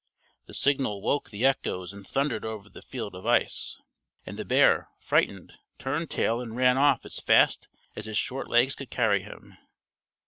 The signal woke the echoes and thundered over the field of ice, and the bear, frightened, turned tail and ran off as fast as his short legs could carry him.